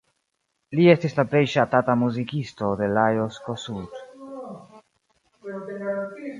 Li estis la plej ŝatata muzikisto de Lajos Kossuth.